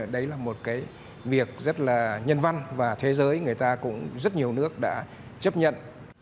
đấy là một cái việc rất là nhân văn và thế giới người ta cũng rất nhiều nước đã chấp nhận